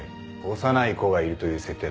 幼い子がいるという設定だ